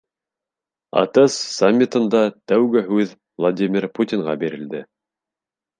АТЭС саммитында тәүге һүҙ Владимир Путинға бирелде.